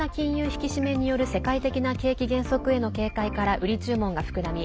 引き締めによる世界的な景気減速への警戒から売り注文が膨らみ